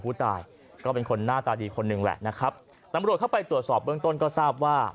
ผู้ตายก็เป็นคนหน้าตาดีคนหนึ่งแหละนะครับตำรวจเข้าไปตรวจสอบเบื้องต้นก็ทราบว่า